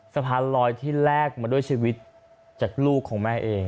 สะพานลอยที่แลกมาด้วยชีวิตจากลูกของแม่เอง